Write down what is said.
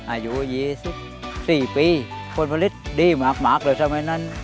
อายุ๒๔ปีคนผลิตดีหมากเลยทำไมอ่าน